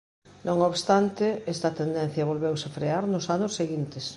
Non obstante, esta tendencia volveuse frear nos anos seguintes.